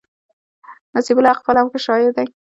نصيب الله حقپال هم ښه شاعر دئ.